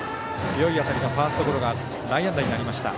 強い当たりのファーストゴロが内野安打になりました。